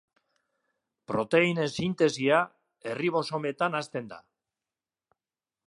Proteinen sintesia erribosometan hasten da.